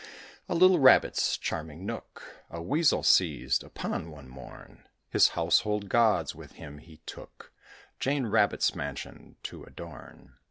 A little Rabbit's charming nook A Weasel seized upon one morn; His household gods with him he took, Jane Rabbit's mansion to adorn.